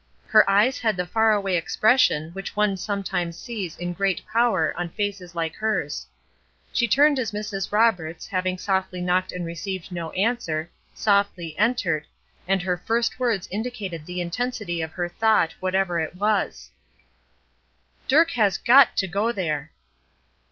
Her eyes had the faraway expression which one sometimes sees in great power on faces like hers. She turned as Mrs. Roberts, having softly knocked and received no answer, softly entered, and her first words indicated the intensity of her thought, whatever it was: "Dirk has got to go there!"